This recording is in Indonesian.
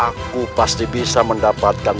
aku pasti bisa mendapatkan